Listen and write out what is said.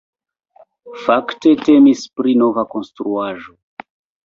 Fakte temis pri nova konstruaĵo.